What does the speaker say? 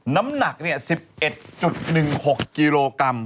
น้ำหนัก๑๑๑๖กิโลกรัม